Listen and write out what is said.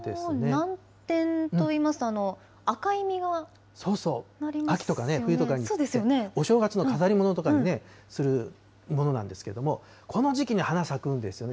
ナンテンといいますと、そうそう、秋とか冬とかに、お正月の飾り物とかにするものなんですけれども、この時期に花咲くんですよね。